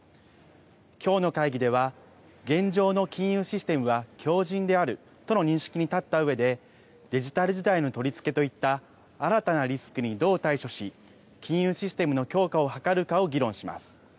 きょうの会議では現状の金融システムは強じんであるとの認識に立ったうえでデジタル時代の取り付けといった新たなリスクにどう対処し金融システムの強化を図るかを議論します。